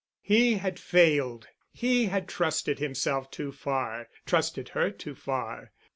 He had failed. He had trusted himself too far—trusted her too far.